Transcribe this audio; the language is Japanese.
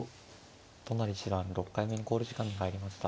都成七段６回目の考慮時間に入りました。